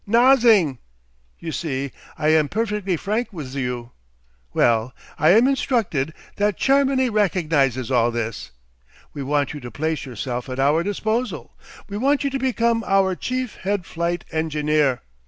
nozzing! You see, I am perfectly frank wiz you. Well, I am instructed that Chermany recognises all this. We want you to place yourself at our disposal. We want you to become our Chief Head Flight Engineer.